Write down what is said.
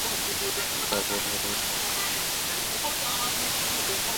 Margot, Harriet, Isabel ও mother চার্চকে আলাদা চিঠি লেখার আশা ছাড়তে হল।